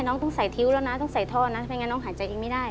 อเรนนี่ต้องใส่ทิ้วแล้วนะต้องใส่ทอนะไม่งั้นน้องหายใจอีกไม่ได้